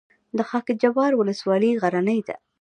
د خاک جبار ولسوالۍ غرنۍ ده